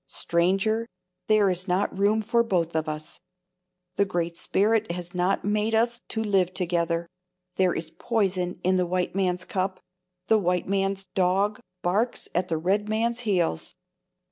Stranger, there is not room for us both. The Great Spirit has not made us to live together. There is poison in the white man's cup; the white man's dog barks at the red man's heels.